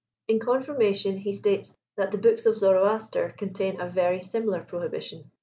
In confirmation, he states that the books of Zoroaster contain a very similar prohibition."